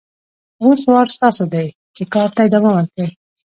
اوس وار ستاسو دی چې کار ته ادامه ورکړئ.